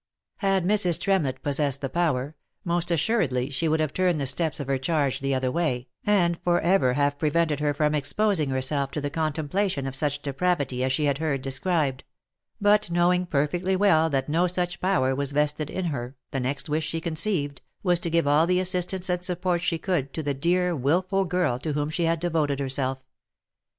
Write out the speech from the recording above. Had Mrs. Tremlett possessed the power, most assuredly she would have turned the steps of her charge the other way, and forever have prevented her from exposing herself to the contemplation of such depravity as she had heard described ; but knowing perfectly well that no such power was vested in her, the next wish she conceived, was to give all the assistance and support she could to the dear wilful girl to whom she had devoted herself.